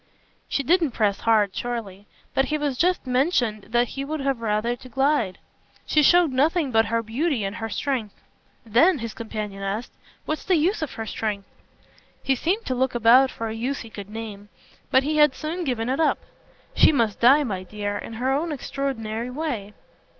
She didn't press hard, surely; but he had just mentioned that he would have rather to glide. "She showed nothing but her beauty and her strength." "Then," his companion asked, "what's the use of her strength?" He seemed to look about for a use he could name; but he had soon given it up. "She must die, my dear, in her own extraordinary way."